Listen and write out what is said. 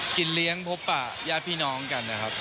กินเลี้ยงพบปะญาติพี่น้องกันนะครับ